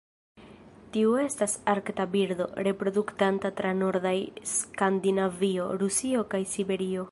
Tiu estas arkta birdo, reproduktanta tra nordaj Skandinavio, Rusio kaj Siberio.